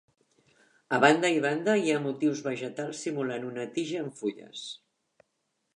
A banda i banda hi ha motius vegetals simulant una tija amb fulles.